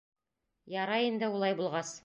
Ярай инде улай булғас.